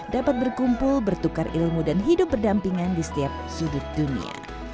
dapat berkumpul bertukar ilmu dan hidup berdampingan di setiap sudut dunia